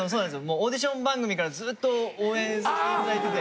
オーディション番組からずっと応援させて頂いてて。